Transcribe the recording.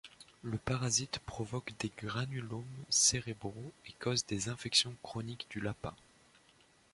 Le parasite provoque des granulomes cérébraux et cause des infections chroniques du lapin.